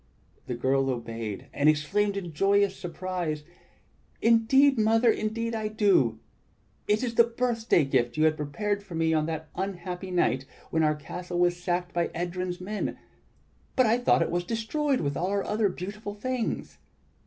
The girl obeyed, and exclaimed in joyous surprise: "Indeed, Mother, indeed I do! It is the birthday gift you had prepared for me on that unhappy night when our castle was sacked by Edrjm's men; but I thought it was destroyed with all our other beautiful things."